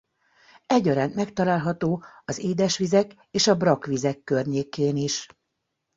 Egyaránt megtalálható az édesvizek és a brakkvizek környékén is.